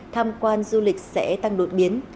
tham quan du lịch sẽ tăng đột biến